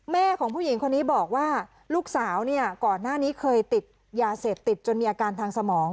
แม่ของผู้หญิงคนนี้บอกว่าลูกสาวเนี่ยก่อนหน้านี้เคยติดยาเสพติดจนมีอาการทางสมอง